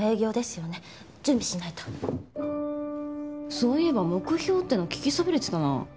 そういえば目標っての聞きそびれてたな